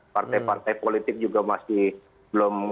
partai partai politik juga masih belum